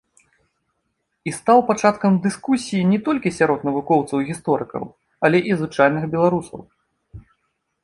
І стаў пачаткам дыскусіі не толькі сярод навукоўцаў-гісторыкаў, але і звычайных беларусаў.